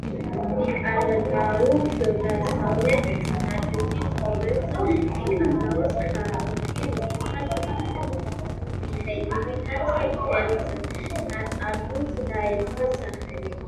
ნიკარაგუის დასავლეთ ნაწილში ცხოვრობს ნიკარაოს ხალხი, რომელთა მიხედვითაც მთელს ნიკარაგუას დაერქვა სახელი.